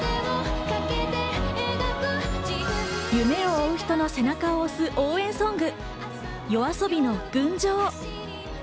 夢を追う人の背中を押す応援ソング、ＹＯＡＳＯＢＩの『群青』。